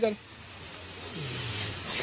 ต่างฝั่งในบอสคนขีดบิ๊กไบท์